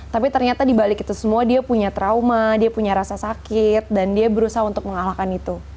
tapi ternyata dibalik itu semua dia punya trauma dia punya rasa sakit dan dia berusaha untuk mengalahkan itu